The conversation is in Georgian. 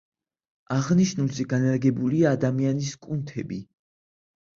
აღნიშნულზე განლაგებულია ადამიანის კუნთები.